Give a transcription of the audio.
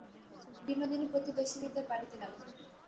বিনোদিনী প্রতিবেশিনীদের বাড়িতে গেল।